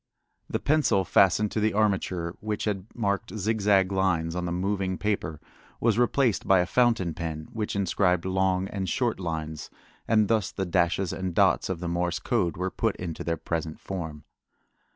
The pencil fastened to the armature which had marked zigzag lines on the moving paper was replaced by a fountain pen which inscribed long and short lines, and thus the dashes and dots of the Morse code were put into their present form.